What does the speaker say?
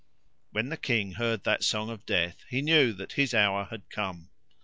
When the king heard that song of death he knew that his hour had come.